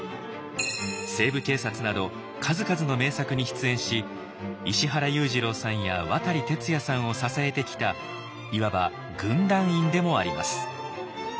「西部警察」など数々の名作に出演し石原裕次郎さんや渡哲也さんを支えてきたいわば「軍団員」でもあります。